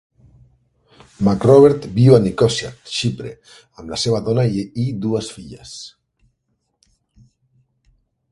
McRobert viu a Nicòsia, Xipre amb la seva dona i dues filles.